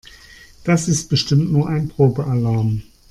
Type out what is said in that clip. Das ist bestimmt nur ein Probealarm.